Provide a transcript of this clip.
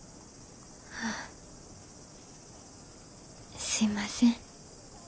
ああすいません。